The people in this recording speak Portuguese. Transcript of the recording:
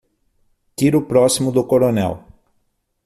Tiro próximo do coronel.